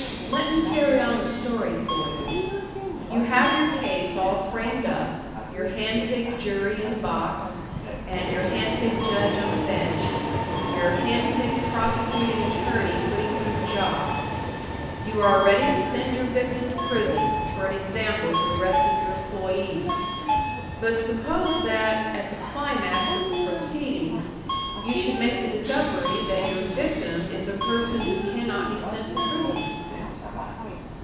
Let me carry on the story for you. You have your case all framed up, your hand picked jury in the box, and your hand picked judge on the bench, your hand picked prosecuting attorney putting through the job; you are ready to send your victim to prison, for an example to the rest of your employés. But suppose that, at the climax of the proceedings, you should make the discovery that your victim is a person who cannot be sent to prison?"